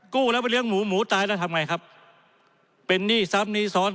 กู้แล้วไปเลี้ยหมูหมูตายแล้วทำไงครับเป็นหนี้ซ้ำหนี้ซ้อน